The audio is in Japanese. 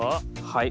はい。